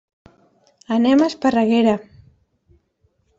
Anem a Esparreguera.